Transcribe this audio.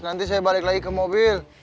nanti saya balik lagi ke mobil